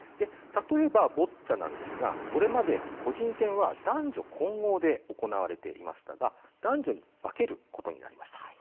例えば、ボッチャはこれまで個人戦は男女混合で行われていたんですが男女に分けることになりました。